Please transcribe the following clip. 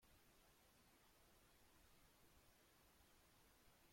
And now behold the perversity of things.